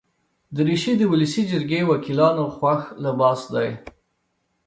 دریشي د ولسي جرګې وکیلانو خوښ لباس دی.